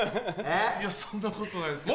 いやそんなことないですけど。